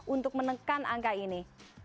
untuk menekan angka ini